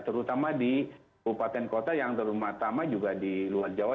terutama di kabupaten kota yang terutama juga di luar jawa